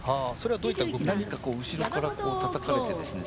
何か、後ろからたたかれてですね